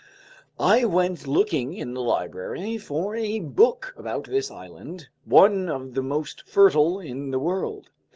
I went looking in the library for a book about this island, one of the most fertile in the world.